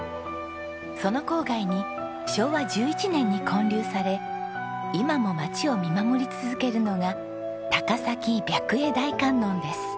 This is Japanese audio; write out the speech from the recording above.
その郊外に昭和１１年に建立され今も街を見守り続けるのが高崎白衣大観音です。